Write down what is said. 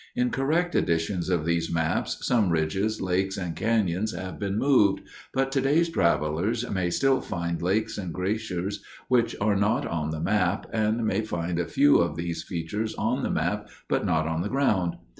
In correct editions of these maps some ridges, lakes, and canyons have been moved, but today's travelers may still find lakes and glaciers which are not on the map, and may find a few of these features on the map but not on the ground.